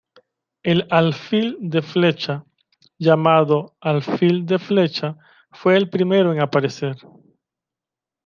El Alfil de flecha, llamado "Alfil de flecha", fue el primero en aparecer.